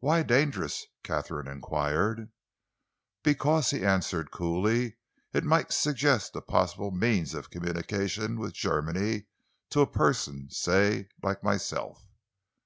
"Why dangerous?" Katharine enquired. "Because," he answered coolly, "it might suggest a possible means of communication with Germany to a person, say, like myself."